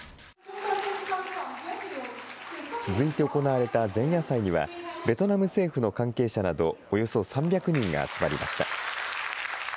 続いて行われた前夜祭には、ベトナム政府の関係者などおよそ３００人が集まりました。